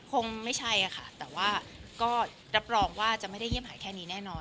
คงไม่ใช่ค่ะแต่ว่าก็รับรองว่าจะไม่ได้เงียบหายแค่นี้แน่นอน